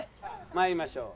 まいりましょう。